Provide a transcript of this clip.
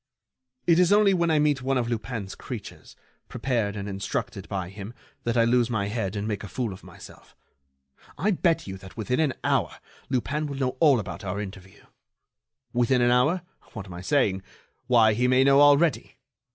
It is only when I meet one of Lupin's creatures, prepared and instructed by him, that I lose my head and make a fool of myself.... I bet you that within an hour Lupin will know all about our interview. Within an hour? What am I saying?... Why, he may know already.